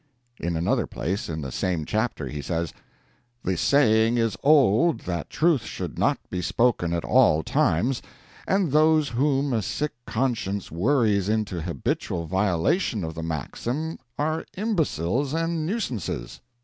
In another place in the same chapter he says, "The saying is old that truth should not be spoken at all times; and those whom a sick conscience worries into habitual violation of the maxim are imbeciles and nuisances."